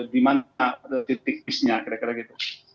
di mana titik bisnya kira kira gitu